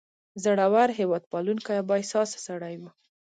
زړور، هیواد پالونکی او با احساسه سړی و.